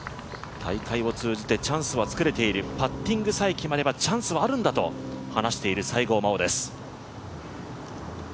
大会を通じてチャンスはつくれているパッティングさえ決まればチャンスはあるんだと話している西郷真央です。